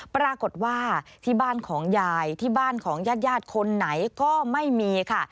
ปรากฏว่าที่บ้านของยายที่บ้านของญาติญาติคนไหนก็ไม่มีค่ะ